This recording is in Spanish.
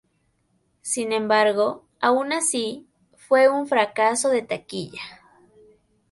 Sin embargo, aun así, fue un fracaso de taquilla.